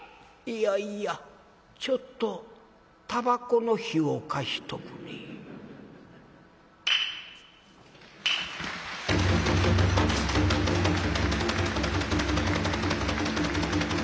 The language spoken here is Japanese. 「いやいやちょっとたばこの火を貸しとくれ」。